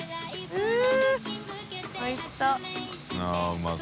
うん。